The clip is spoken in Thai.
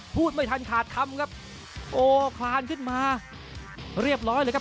พูดไม่ทันขาดคำครับโอ้คลานขึ้นมาเรียบร้อยเลยครับ